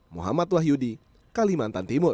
muhammad wahyudi kalimantan timur